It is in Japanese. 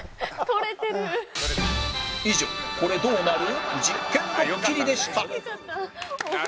以上「これどうなる？